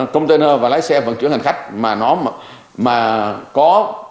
container và lái xe vận chuyển hành khách mà nó có